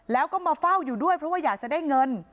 แล้วก็มาเฝ้าอยู่ด้วยเพราะว่าอยากจะได้เงิน